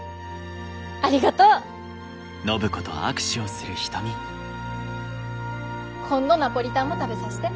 ありがとう！今度ナポリタンも食べさせて。